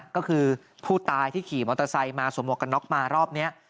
ก็คือผู้ตายที่ขี่มอเตอร์ไซค์มาสวมหวกกันน็อกมารอบนี้